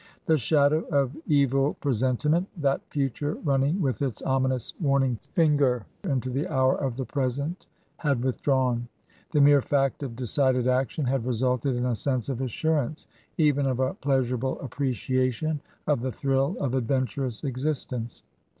The shadow of evil presentiment — that future, running with its ominous warning finger into the hour of the present had withdrawn. The mere fact of decided action had resulted in a sense of assurance, even of a pleasurable appreciation of the thrill of adventurous existence.